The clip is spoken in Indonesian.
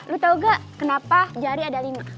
lu tau gak kenapa jari ada lima